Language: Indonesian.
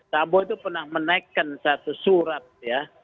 sambo itu pernah menaikkan satu surat ya